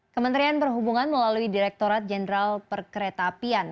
kementerian perhubungan melalui direkturat jenderal perkereta apian